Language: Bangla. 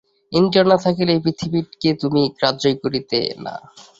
ইন্দ্রিয় না থাকিলে এই পৃথিবীকে তুমি গ্রাহ্যই করিতে না।